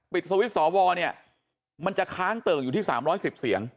ปิดสวิทย์สอวรเนี่ยมันจะค้างเติ่งอยู่ที่สามร้อยสิบเสียง